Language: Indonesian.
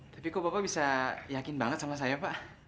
tapi kok bapak bisa yakin banget sama saya pak